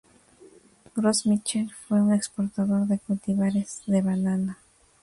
Gros Michel fue un exportador de cultivares de banana.